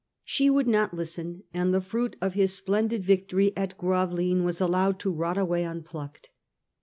She would not listen, and the fruit of his splendid victory at Gravelines was allowed to rot away unplucked.